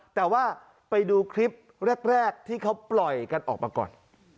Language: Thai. แต่ว่าไปดูคลิปแรกที่เขาปล่อยกันออกมาก่อน